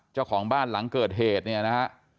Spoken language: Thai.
เจ้าของบ้านหลังเกิดเหตุเนี่ยนะฮะ